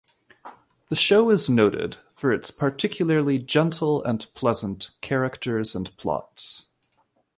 The show is noted for its particularly gentle and pleasant characters and plots.